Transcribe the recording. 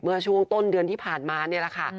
เมื่อช่วงต้นเดือนที่ผ่านมานี่แหละค่ะ